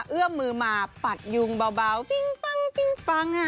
เอื้อมมือมาปัดยุงเบาฟิ้งฟังฟิ้งฟัง